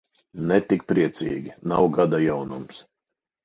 Ne tik priecīgi, nav gada jaunums.